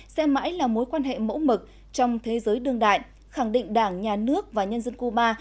sẽ mãi là mối quan hệ mẫu mực trong thế giới đương đại khẳng định đảng nhà nước và nhân dân cuba